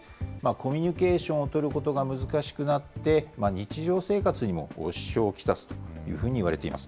コミュニケーションを取ることが難しくなって、日常生活にも支障を来すというふうにいわれています。